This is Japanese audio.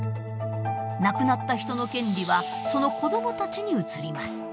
亡くなった人の権利はその子どもたちに移ります。